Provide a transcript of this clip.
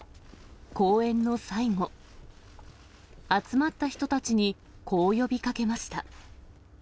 講演の最後、集まった人たちにこう呼びかけました。